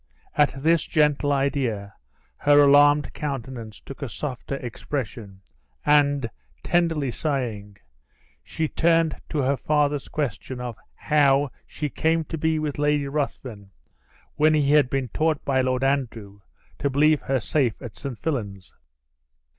At this gentle idea, her alarmed countenance took a softer expression; and, tenderly sighing, she turned to her father's question of "How she came to be with Lady Ruthven, when he had been taught by Lord Andrew to believe her safe at St. Fillan's?"